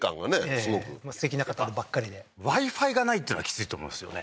すごくもうすてきな方ばっかりでＷｉ−Ｆｉがないっていうのはきついと思いますよね